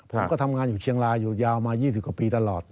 ผมก็ทำงานอยู่เชียงรายอยู่ยาวมา๒๐กว่าปีตลอด